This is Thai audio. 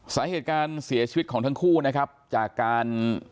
สาเหตุการเสียชีวิตของทั้งคู่นะครับจากการ